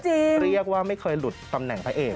เรียกว่าไม่เคยหลุดตำแหน่งพระเอก